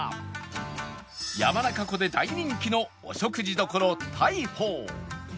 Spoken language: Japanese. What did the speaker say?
山中湖で大人気のお食事処大豊